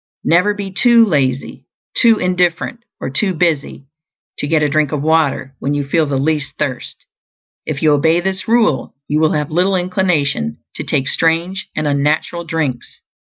Never be too lazy, too indifferent, or too busy to get a drink of water when you feel the least thirst; if you obey this rule, you will have little inclination to take strange and unnatural drinks.